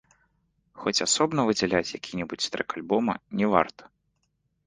Хоць асобна выдзяляць які-небудзь трэк альбома не варта.